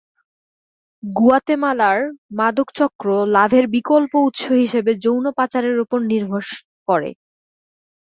গুয়াতেমালার মাদক চক্র লাভের বিকল্প উৎস হিসেবে যৌন পাচারের উপর নির্ভর করে।